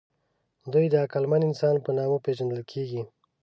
دوی د عقلمن انسان په نامه پېژندل کېږي.